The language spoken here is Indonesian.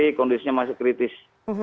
iya kondisinya masih kritis